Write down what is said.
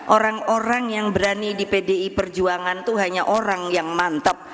orang orang yang berani di pdi perjuangan itu hanya orang yang mantap